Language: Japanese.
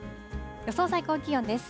予想最高気温です。